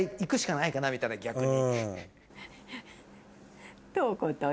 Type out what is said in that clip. みたいな逆に。